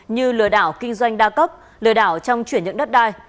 như lừa đảo kinh doanh đa cấp lừa đảo trong chuyển nhượng đất đai